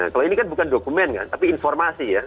kalau ini kan bukan dokumen kan tapi informasi ya